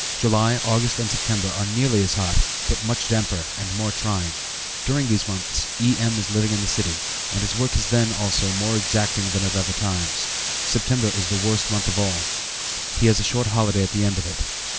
July, August, and September, are nearly as hot, but much damper, and more trying; during these months, E.M. is living in the city, and his work is then, also, more exacting than at other times, September is the worst month of all; he has a short holiday at the end of it.